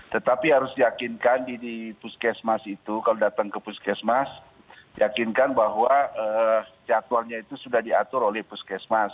tetapi harus diyakinkan di puskesmas itu kalau datang ke puskesmas yakinkan bahwa jadwalnya itu sudah diatur oleh puskesmas